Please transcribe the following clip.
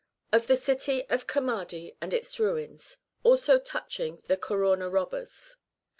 Of the City of Camadi and its Ruins ; also touching the Carauna Robbers.